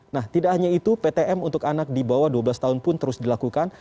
nah tidak hanya itu ptm untuk anak di bawah dua belas tahun pun terus dilakukan